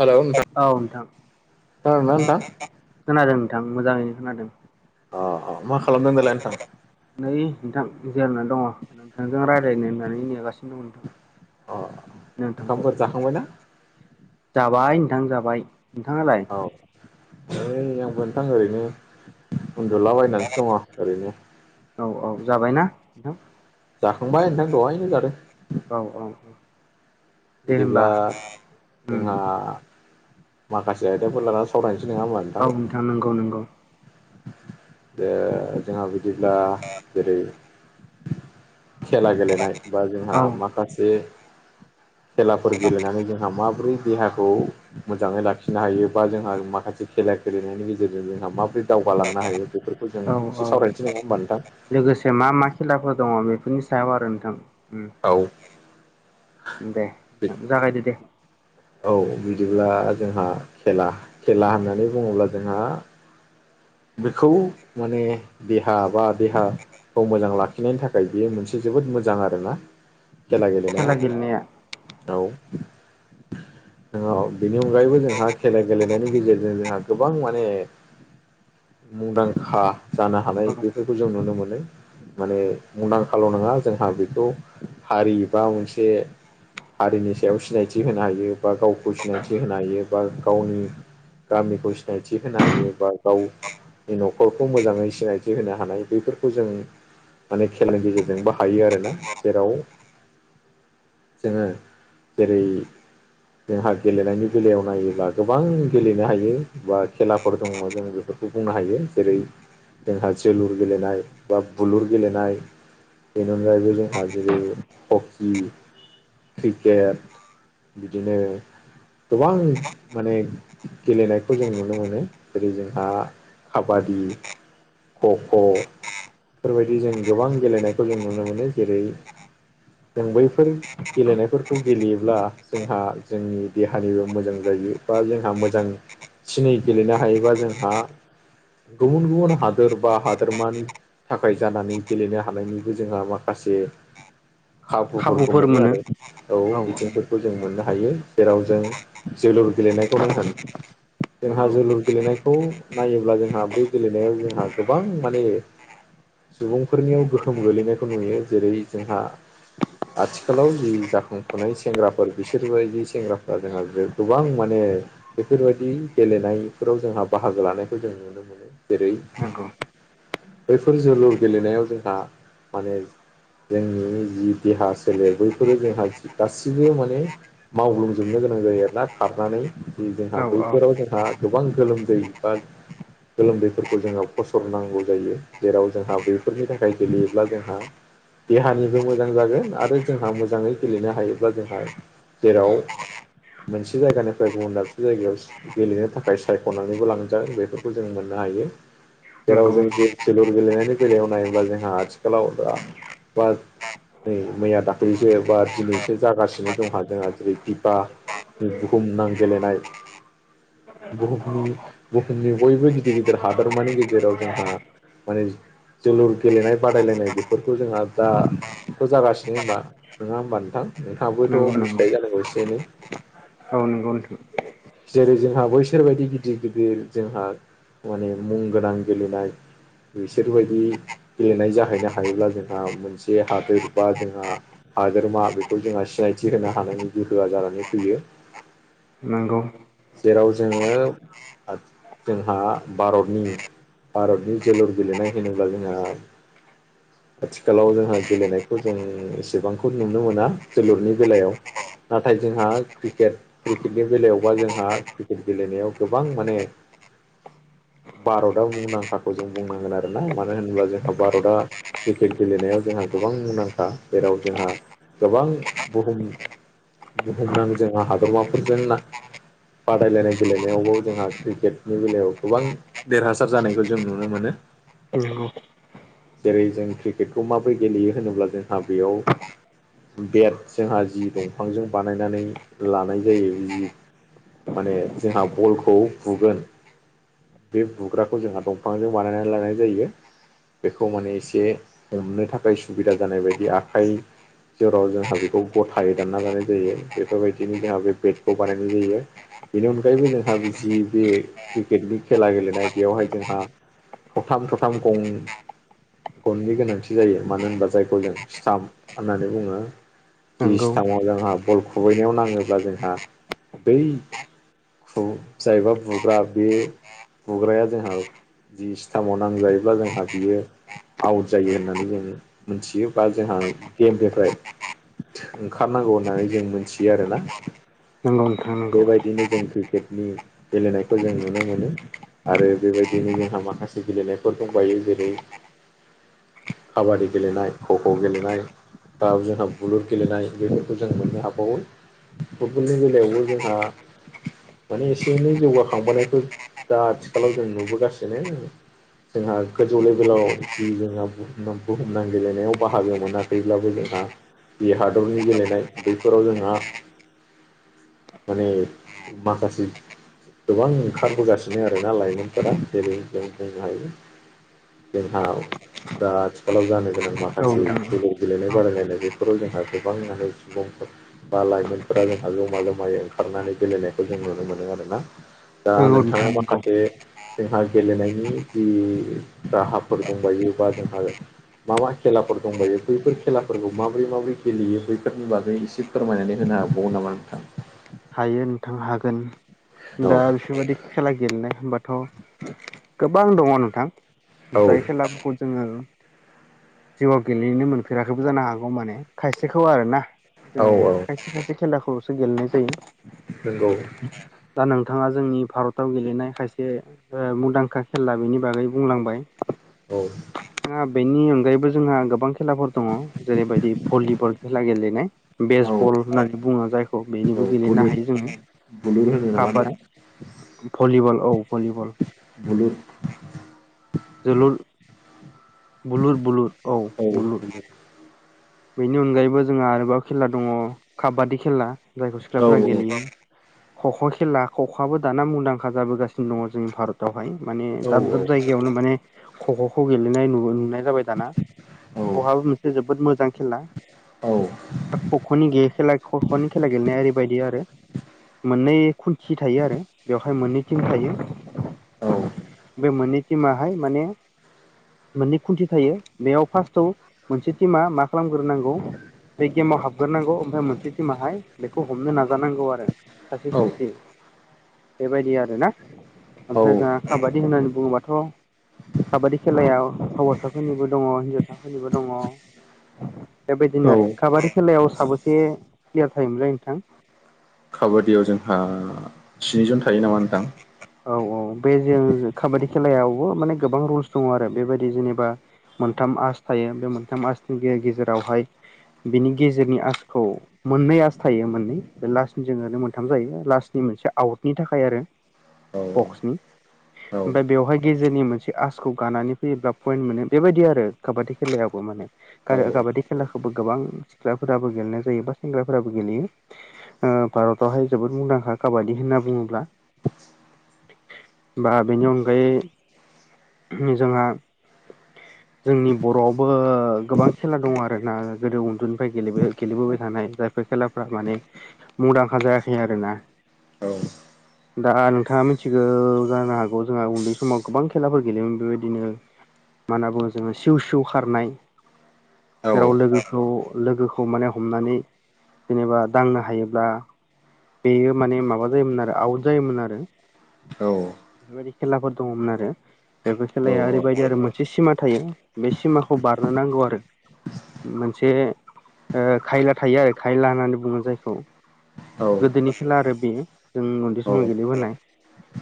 Hello नोंथां औ नोंथां खोनादों ना नोंथां खोनादों नोंथां मोजाङैनो खोनादों अ अ मा खालामदों होन दालाय नोंथां। नै नोंथां जेलना दङ नोंथांजों रायज्लायनो होननानै नेगासिनो। [unintelligible] नोंथां अ नोंथांखौ। ओंखामफोर जाखांबायना जाबाय नोंथां जाबाय नोंथाङालाय औ ओइ आंबो नोंथां ओरैनो उन्दुलाबायनानैसो दङ ओरैनो औ औ जाबायना नोंथां जाखांबाय नोंथां दहायनो जादों औ औ औ दे हबा उम आ माखासे आयदाफोर लानानै सावरायनोसो नङा होमा गावथां नंगौ नंगौ दे जोंहा बिदिब्ला जेरै खेला गेलेनाय बा जोंहा औ माखासे खेलाफोर गेलेनानै जोंहा माबोरै देहाखौ मोजाङै लाखिनो हायो बा जोंहा माखासे खेला गेलेनायनि गेजेरजों जोंहा माबोरै दावगालांनो हायो बेफोरखौ जों औ औ एसे सावरायनोसै नङा होमबा नोंथां लोगोसे मा मा खेलाफोर दङ बेफोरनि सायाव आरो नोंथां औ दे जागायदो दे औ बिदिब्ला जोंहा खेला खेला होननानै बुङोब्ला जोंहा बेखौ माने देहा बा देहा खौ मोजां लाखिनायनि थाखाय बेयो मोनसे जोबोद मोजां आरो ना खेला गेलेनाया औ बेनि अनगायैबो जोंहा खेला गेलेनायनि गेजेरजों जोंहा गोबां माने मुंदांखा जानो औ हानाय बेफोरखौ जों नुनो मोनो माने मुंदांखाल' नङा जोंहा बेखौ हारि बा मोनसे हारिनि सायाव सिनायथि होनो हायो बा गावखौ सिनायथि होनो हायो बा गावनि गामिखौ सिनायथि होनो हायो बा गावनि न'खरखौ मोजाङै सिनायथि होनो हानाय बेफोरखौ जों माने खेलनि गेजेरजोंबो हायो आरोना जेराव जोङो जेरै जोंहा गेलेनायनि बेलायाव नायोब्ला गोबां गेलेनो हायो बा खेलाफोर दङ जों बेफोरखौ बुंनो हायो जेरै जोंहा जोलुर गेलेनाय बा बुलुर गेलेनाय बेननगायबोजों हाजिरो हकि क्रिकेट बिदिनो गोबां माने गेलेनायखौ जों नुनो मोनो जेरै जोंहा खाबादि ख ख'फोरबायदि जों गोबां गेलेनायखौ जों नुनो मोनो जेरै जों बैफोर गेलेनायफोरखौ गेलेयोब्ला जोंहा जोंनि देहानिबो मोजां जायो बा जोंहा मोजां थनै गेलेनो हायोबा जोंहा गुबुन गुबुन हादोर बा हादोरमानि थाखाय जानानै गेलेनो हानायनिबो जोंहा माखासे हाखुफोरखौ मोनो आरो औ बिथिंफोरखौ जों मोननो हायो जेराव जों जोलुर गेलेनायखौनो होनो जोंहा नंगौ जोलुर गेलेनायखौ नायोब्ला जोंहा बै गेलेनायाव जोंहा गोबां माने सुबुंफोरनियाव गोहोम गोलैनायखौ नुयो जेरै जोंहा आथिखालाव जि जाखांफुनाय सेंग्राफोर बिसोरबायदि सेंग्राफ्रा जोंहा गोबां माने बेफोरबायाददि गेलेनायफोराव जोंहा बाहागो लानायखौ जों नुनो मोनो जेरै नंगौ बैफोर जोलुर गेलेनायाव जोंहा माने जोंनि जि देहा सोलेर बैफोरो जोंहा गासिबो माने मावग्लुंजोबनो गोनां जायो आरोना खारनानै औ जोंहा औ बैफोराव जोंहा गोबां गोलोमदै बा गोलोमदैफोरखौ जोङो फसरनांगौ जायो जेराव जोंहा बेफोरनि थाखाय गेलेयोब्ला जोंहा देहानिबो मोजां जागोन आरो जोंहा मोजाङै गेलेनो हायोब्ला जोंहा जेराव मोनसे जायगानिफ्राय गुबुन दाबसे जायगायाव गेलेनो थाखाय बाय सायख'नानैबो लांजाग बेफोरखौ जों मोननो हायो जेराव नंगौ जों नंगौ ज जोलुर गेलेनायनि बेलायाव नायोब्ला जोंहा आथिखालावा बा नै मैया दाखलैसो बा दिनैसो जागासिनो दंहा जोंहा जेरै बिबा बुहुम नां गेलेनाय बुहुमनि बुहुमनि बयबो गिदिर गिदिर हादोरमानि गेजेराव जोंहा माने जोलुर गेलेनाय बादायलायनाय बेफोरखौ जोंहा दाथ' जागासिनो होबा नङा होमबा नोंथां नोंथाङाबोथ' मिथिखायो जानांगौ एसे एनै औनो [unintelligible] जेरै जोंहा बै बिसोरबायदि गिदिर गिदिर जोंहा माने मुं गोनां गेलेनाय बिसोरबायदि गेलेनाय जाहैनो हायोब्ला जोंहा मोनसे हादोर बा जोंहा हाद्रमा बेखौ जोंहा सिनायथि होनो हानायनि गोहोआ जानानै फैयो नंगौ जेराव जोङो जोंहा भारतनि भारतनि जोलुर गेलेनाय होनोब्ला जोंहा आथिखालाव जोंहा गेलेनायखौ जों एसेबांखौ नुनो मोना जोलुरनि बेलायाव नाथाय जोंहा क्रिकेट क्रिकेटनि बेलायावबा जोंहा क्रिकेट गेलेनायाव गोबां माने भारतआ मुंदांखाखौ जों बुंनांगोन आरोना मानो होनोब्ला जोंहा भारतआ क्रिकेट गेलेनायाव जोंहा गोबां मुंदांखा जेराव जोंहा गोबां बुहुम बुहुमनां जोंहा हादरमाफोरजों ना बादायलायनाय गेलेनायावबो जोंहा क्रिकेटनि बेलायाव गोबां देरहासार जानायखौ जों नुनो मोनो [unintelligible] जेरै जों क्रिकेटखौ माबोरै गेलेयो होनोब्ला जोंहा बेयाव बेट जोंहा जि दंफांजों बानायनानै लानाय जायो जि माने जोंहा बलखौ बुगोन बे बुग्राखौ जोंहा दंफांजों बानायनानै लानाय जायो बेखौ माने एसे हमनो थाखाय सुबिदा जानाय बायदि आखाइ जेराव जोंहा बेखौ गथायै दानना लानाय जायो बेफोरबायदिनो जोंहा बे बेडखौ बानायनाय जायो बेनि अनगायैबो जोंहा जि बे क्रिकेटनि खेला गेलेनाय बेयावहाय जोंहा थथाम थथाम गं गननि गोनांथि जायो मानो होनबा जायखौ जों स्थाम होननानै बुङो जि नंगौ सिटामाव जोंहा बल खुबैनायाव नाङोब्ला जोंहा बै खौ जायबा बुग्रा बे बुग्राया जोंहा जि सिथामाव नांजायोब्ला जोंहा बियो आउट जायो होननानै जों मोनथियो बा जोंहा गेमनिफ्राय ओंखारनांगौ होननानै जों मोनथियो आरोना नंगौ नोंथां नं बेबायदिनो जों क्रिकेटनि गेलेनायखौ जों नुनो मोनो आरो बेबायदियैनो जोंहा माखासे गेलेनायफोर दंबायो जेरै काबादि गेलेनाय खख' गेलेनाय बा जोंहा बुलुर गेलेनाय बेफोरखौ जों मोननो हाबावो फुटबलनि बेलायावबो जोंहा नुबोगासिनो जोंहा गोजौ लेभेलाव जि जोंहा बुहुमनाां गेलेनायाव बाहागो मोन आरो थैब्लाबो जोंहा बे हादरनि गेलेनाय बैफोराव जोंहा माने माखासे गोबां ओंखारबोगासिनो आरोना लाइमोनफोरा जेरै जों बुंनो हायो जोंहा दा आथिखालाव जानो गोनां औ माखासे नोंथां नंगौ गेलेनाय बादायलायनाय बेफोराव जोंहा गोबां मे सुबुंफोर बा लाइमोनफोरा जोंहा जमा जमायै ओंखारनानै गेलेनायखौ जों नुनो मोनो आरोना दा नोंथाङा नोंथां नंगौ माखासे जोंहा गेलेनायनि जि राहाफोर दंबायोबा जोंहा मा मा खेलाफोर दंबायो बैफोर खेलाफोरखौ माबोरै माबोरै गेलेयो बैफोरनि बाजों एसे फोरमायनानै होनो हाबावो नामा नोंथां हायो नोंथां हागोन औ दा बिफोरबायदि खेला गेलेनाय हबाथ' गोबां दङ नोंथां जाय औ खेला ब जोङो जिउआव गेलेनो मोनफेराखैबो जानो हागौ माने खायसेखौ आरोना जोङो औ औ खायसे खायसे खेलाखौल'सो गेलेनाय जायो नोंगौ दा नोंथाङा जोंनि भारताव गेलेनाय खायसे मुंदांखा खेला बेनि बागै बुंलांबाय औ बेनि अनगायैबो जोंहा गोबां खेलाफोर दङ जेरैबायदि भलिबल खेला गेलेनाय औ बेसबल होननानै बुङो जायखौ औ बेनिबो गेलेनो बुलुर हायो जोङो बुलुर होनो नामा काबाद नोंथां भलिबल औ भलिबल बुलुद जोलुर बुलुर बुलुर औ बेनि अनगायैबो जोंहा आरोबाव खेला दङ काबादि खेला जायखौ औ सिख्लाफोरा गेलेयो खख' खेला खख'आबो दाना मुंदांखा जाबोगासिनो दङ जोंनि भारतावहाय माने औ दाब दाब जायगायाव बेवनो माने खख'खौ गेलेनाय नुनाय जाबाय दाना औ खख'बो मोनसे जोबोद मोजां आरो खख'नि गैयै खेला खख'नि खेला गेलेनाया ओरैबायदि आरो मोननै खुन्थि थायो आरो बेवहाय मोननै टिम थायो बे मोननै टिमाहाय माने मोननै खुन्थि थायो बेयाव फार्स्टआव मोनसे टिमा मा खालामग्रोनांगौ बे गेमाव हाबग्रोनांगौ ओमफ्राय मोनसे टिमाहाय बेखौ हमनो नाजानांगौ आरो सासे औ सासे बेबायदि आरोना ओमफ्राय जोंहा खाबादि होननानै बुङोबाथ' काबादि खेलायाव हौवासाफोरनिबो दङ हिन्जावसाफोरनिबो दङ बेबायदिनो औ आरो काबादि खेलायाव साबेसे प्लेयार थायोमोनलाय नोंथां काबादियाव जोंहा स्निजन थायो नामा नथां औ औ बे जों काबादि खेलायावबो माने गोबां रुल्स दङ आरो बेबायदि जेनेबा मोनथाम आस थायो बे मोनथाम आसनि गेजेरावहाय बिनि गेजेरनि आसखौ मोननै आस थायो मोननै बे लास्टनि जो ओरै मोनथाम जायो लास्टनि मोनसे आउटनि थाखाय थाखाय आरो औ बक्सनि औ ओमफाय बेवहाय गेजेरनि मोनसे आसखौ गानानै फैयोब्ला पयन्ट मोनो बेबायदि आरो काबादि खेलायावबो माने औ औ काबादि खेलाखौबो गोबां सिख्लाफोराबो गेलेनाय जायो बा सेंग्राफोराबो गेलेयो भारतावहाय जोबोद मुंदांखा काबादि होनना बुङोब्ला बा बेनि अनगायै जोंहा जोंनि बर'आवबो गोबां खेला दङ आरोना गोदो उन्दैनिफ्राये गेलेबोबाय थानाय जाय बे खेलाफ्रा माने मुंदांखा जायाखै आरोना दा नोंथाङा मिथिगौ जानो हागौ जोंहा उन्दै समाव गोबां खेलाफोर गेलेयोमोन बेबायदिनो मा होनना बुङो जोङो सिउ सि खारनाय औ जेराव लोगोखौ लोगोखौ माने हमनानै जेनेबा दांनो हायोब्ला बेयो माने माबा जायोमोन आरो आउट जायोमोन आरो औ बेफोरबायदि खेलाफोर दङमोन आरो दा बे खेलाया ओरैबायदि आरो मोनसे सिमा थायो बे सिमाखौ बारनो नांगौ आरो मोनसे खायला थायो आरो खायला होननानै बुङो जायखौ गोदोनि खेला आरो बेयो जों उन्दै समाव गेलेबोनाय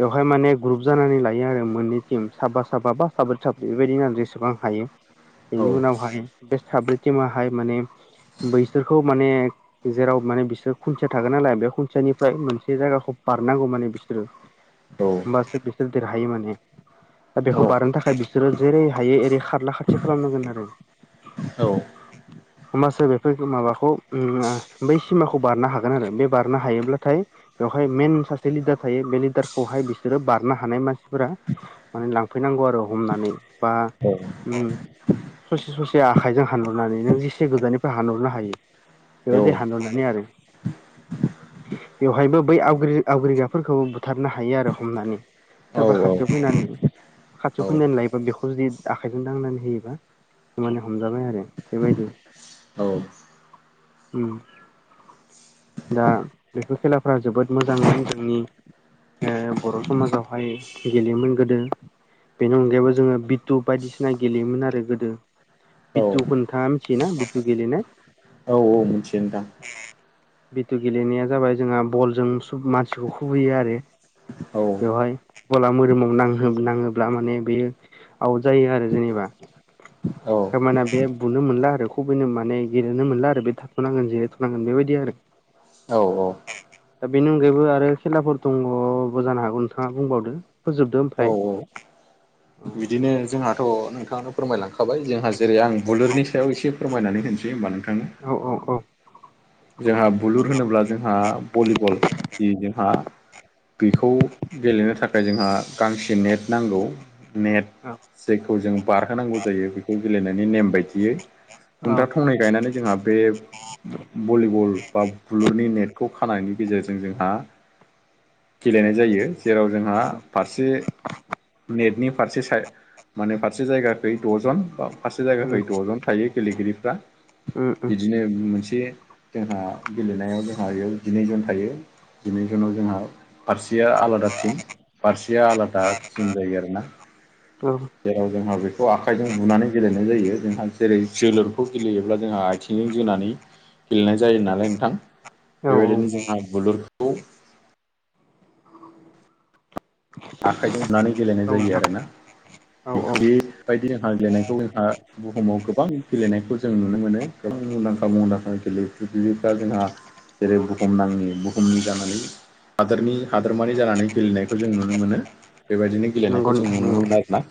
बेवहाय माने ग्रुप जानानै लायो आरो मोननै टिम साबा साबा बा साब्रै साब्रै बेबायदिनो आरो जेसेबां हायो बेनि उनावहाय बे साब्रैथिमाहाय माने बैसोरखौ माने जेराव माने बिसोर खनसेया थागोन नालाय बे खनसनिफ्राय मोनसे जायगाखौ बारनांगौ माने बिसोरो होमबासो बिसोर देरहायो माने दा बेखौ बारनो थाखाय बिसोरो जेरै हायो एओरै खारला खारथि खालामनांगोन आरो औ होमबासो बेफोर माबाखौ बै सिमाखौ बारनो हागोन जागोन आरो बे बारनो हायोब्लाथाय बेवहाय मेन सासे लिडार थायो बे लिडारखौहाय बिसोरो बारनो हानाय मानसिफोरा माने लांफैनांगौ आरो हमनानै बा ससे ससे आखाइजों हानहरनानै नों जेसे गोजाननिफ्राय हानहरनो हायो बेबायदि हान्नानै आरो बेवहायबो बै आवग आवग्रिगाफोरखौबो बुथारनो हायो आरो हमनानै सोरबा खाथियाव फैनानै खाथियाव औ फैनानै लायोबा बेखौ जुदि आखाइजों दांनानै होयोबा हमजाबाय आरो बेबायदि औ दा बेफोर खेलाफ जोबोद मोजांमोन जोंनि बर' समाजावहाय गेलेयोमोन गोदो बेनि अनगायैबो जोङो बिटु बायदिसिना गेलेयोमोन आरो गोदो बिथु औ खथा आथि ना बथु गेललिनाय औ औ मिथिगोन नोंथां भु गेलेनाया जाबाय जोंहा बलजों मानसिखौ खुबैयो आरो औ बेवहाय गला मोदोमाव नाङोब्ला माने बेयो आउट जायो आरो जेनेबा औ थारमाना बे बुनो मोनला आरो खुबैनो माने गेलेनो मोनला आरो बे थाथ'नांगोन जिरायथ'नांगोन बेबायदि आरो औ औ दा बेनि अनगायैबो आरो खेलाफोर दङबो जानो हागौ नोंथाङा बुंबावदो फोजोबदो ओमफ्राय औ औ बिदिनो जोंहाथ' नोंथांनो फोरमायलांखाबाय जोंहा जेरै आं बुलुरनि सायाव एसे फोरमायनानै होनसै होमबा नोंथांनो औ औ औ जोंहा बुलुर होनोब्ला जोंहा भलिबल जि जोंहा बेखौ गेलेनो थाखाय जोंहा गांसे नेट नांगौ नेट औ जेखौ जों बारहोनांगौ जायो बेखौ गेलेनायनि नेम बायदियै औ खुन्थाथावनाय गायनानै जोंहा बे भलिबल बा बुलुरनि नेटखौ खानायनि गेजेरजों जोंहा गेलेनाय जायो जेराव जोंहा फारसे नेटनि फारसे माने फारसे जायगाखै द'जन फारसे जायगाखै उम द'जन थायो गेलेगिरिफ्रा उम बिदिनो मोनसे जोंहा गेलेनायाव जोंहा बेयाव जिनैजन थायो जिनै जुनाव जोंहा फारसेया आलादा टिम फारसेया आलादा थिम जायो आरो ना। औ जेराव जोंहा बेखौ आखाइजों बुनानै गेलेनाय जायो जोंहा जेरै जोलुरखौ गेलेयोब्ला जोंहा आथिंजों जोनानै गेलेनाय जायो नालाय नोंथां औ बेबायदिनो जोंहा बुलुरखौ आखाइजों हुनानै गेलेनाय जायो नोंथां आरोना औ औ बेखौ बेबायदि जोंहा गेलेनायखौ जोंहा बुहुमाव गोबां गेलेनायखौ जों नुनो मोनो गोबां मुंदांखा मुंदांखा गेले गेलफ्रा जोंहा जेरै बुहुम नाङै बुहुमनि जानानै हादोरनि हादोरमानि जानानै गेलेनायखौ जों नुनो नुनो मोनो बेबायदिनो नंगौ गेलेनायखौ जों नोंथां नुनो नंगौ। मोनो आरोना।